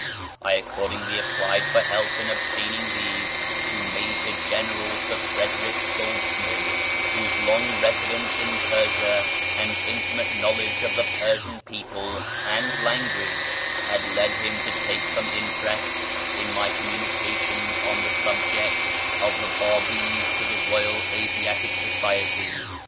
I accordingly applied for help in obtaining these to Major General Sir Frederic Goldsmid, whose long residence in Persia and intimate knowledge of the Persian people and language had led him to take some interest in my communications on the subject of the Bábís to the Royal Asiatic Society.